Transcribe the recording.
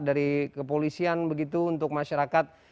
dari kepolisian begitu untuk masyarakat